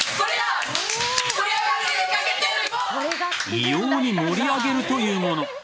異様に盛り上げるというもの。